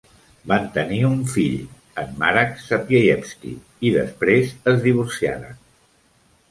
Van tenir un fill, en Marek Sapieyevski, i després es divorciaren.